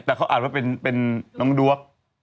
แต่เขาอ่านว่าเป็นน้องดวก